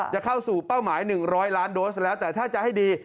จะเข้าสู่เป้าหมาย๑๐๐ล้านโดสแล้วแต่ถ้าจะให้ดี